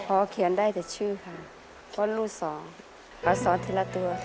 พอเขียนได้แต่ชื่อค่ะเพราะรูดสองขอสอนทีละตัว